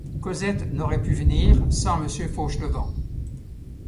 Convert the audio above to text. Cosette n’aurait pu venir sans Monsieur Fauchelevent.